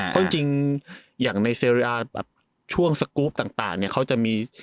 เพราะจริงอย่างในเซเรียแบบช่วงสกรูปต่างเนี่ยเขาจะมี